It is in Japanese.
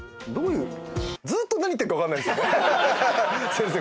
先生